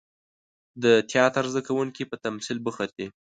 د تیاتر زده کوونکي په تمثیل بوخت دي.